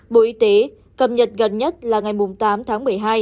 bộ y tế cập nhật gần nhất là ngày tám tháng một mươi hai